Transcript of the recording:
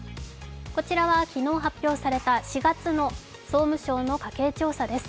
こちらは昨日発表された４月の総務省の家計調査です。